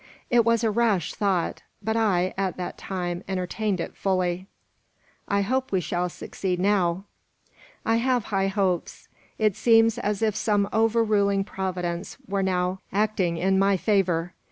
It was a rash thought, but I, at that time, entertained it fully." "I hope we shall succeed now." "I have high hopes. It seems as if some overruling providence were now acting in my favour.